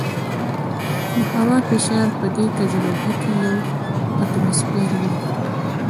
د هوا فشار په دې تجربه کې یو اټموسفیر وي.